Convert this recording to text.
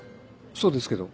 そうですけど。